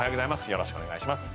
よろしくお願いします。